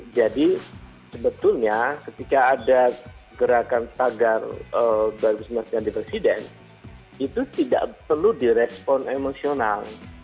jadi sebetulnya ketika ada gerakan pagar dua ribu sembilan belas ganti presiden itu tidak perlu di respon emosional